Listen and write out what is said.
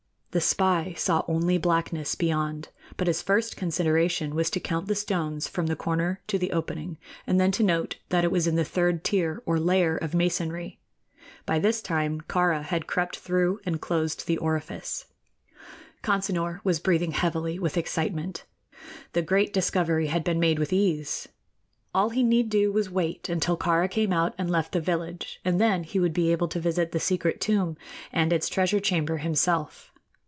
The spy saw only blackness beyond; but his first consideration was to count the stones from the corner to the opening, and then to note that it was in the third tier or layer of masonry. By this time Kāra had crept through and closed the orifice. Consinor was breathing heavily with excitement. The great discovery had been made with ease. All he need do was to wait until Kāra came out and left the village, and then he would be able to visit the secret tomb and its treasure chamber himself.